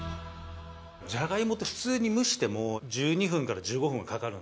「じゃがいもって普通に蒸しても１２分から１５分はかかるんですよ